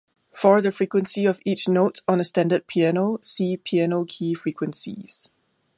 For the frequency of each note on a standard piano, see piano key frequencies.